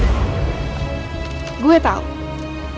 akhirnya yang ditunggu tunggu